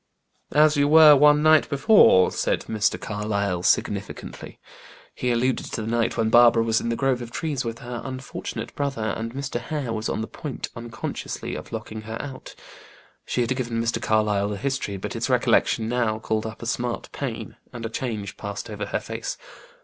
"As you were one night before," said Mr. Carlyle, significantly. He alluded to the night when Barbara was in the grove of trees with her unfortunate brother, and Mr. Hare was on the point, unconsciously, of locking her out. She had given Mr. Carlyle the history, but its recollection now called up a smart pain, and a change passed over her face.